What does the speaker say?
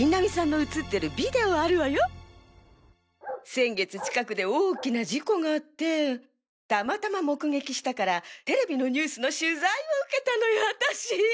先月近くで大きな事故があってたまたま目撃したからテレビのニュースの取材を受けたのよアタシ。